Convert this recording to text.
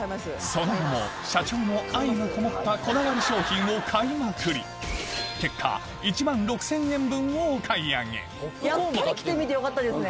その後も社長の愛のこもったこだわり商品を買いまくり結果１万６０００円分をお買い上げホントですか？